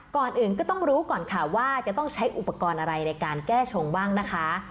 ก่อนอื่นก็ต้องรู้ก่อนค่ะว่าจะต้องใช้อุปกรณ์อะไรในการแก้ชงบ้างนะคะ